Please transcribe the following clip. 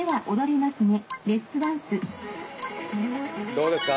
どうですか？